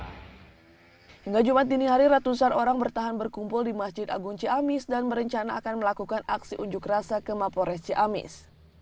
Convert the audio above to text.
hingga jumat dini hari ratusan orang bertahan berkumpul di masjid agung ciamis dan berencana akan melakukan aksi unjuk rasa ke mapores ciamis